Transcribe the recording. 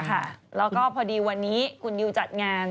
ค่ะแล้วก็พอดีวันนี้คุณดิวจัดงาน